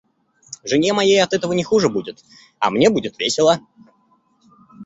Жене моей от этого не хуже будет, а мне будет весело.